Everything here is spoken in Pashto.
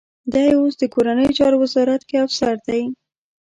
دی اوس د کورنیو چارو وزارت کې افسر دی.